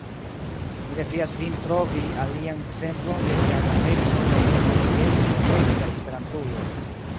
Mi defias vin trovi alian ekzemplon de ĝia grandeco kaj internacieco, ekster Esperantujo.